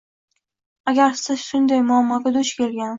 Agar siz shunday muammoga duch kelgan